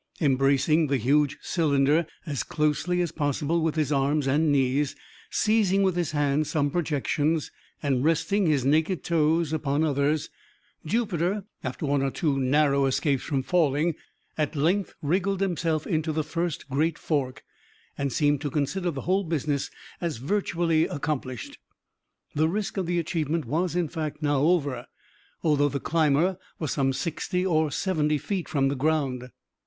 Embracing the huge cylinder, as closely as possible with his arms and knees, seizing with his hands some projections, and resting his naked toes upon others, Jupiter, after one or two narrow escapes from falling, at length wriggled himself into the first great fork, and seemed to consider the whole business as virtually accomplished. The risk of the achievement was, in fact, now over, although the climber was some sixty or seventy feet from the ground.